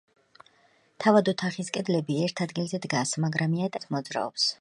თავად ოთახის კედლები ერთ ადგილზე დგას, მაგრამ იატაკი სხვადასხვა მიმართულებით მოძრაობს.